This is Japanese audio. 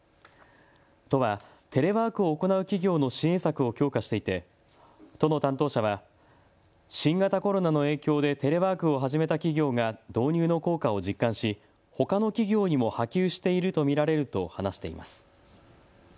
都はテレワークを行う企業の支援策を強化していて都の担当者は新型コロナの影響でテレワークを始めた企業が導入の効果を実感しほかの企業にも波及していると見られると話しています。